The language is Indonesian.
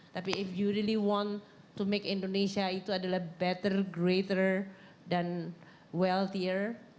tapi kalau anda ingin membuat indonesia lebih baik lebih besar dan lebih berharga